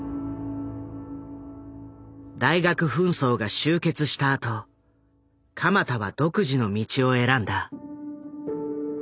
大学紛争が終結したあと鎌田は独自の道を選んだ。